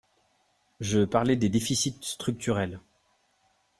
Je parlais des déficits structurels